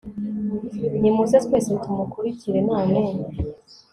nimuze twese tumukurikire, none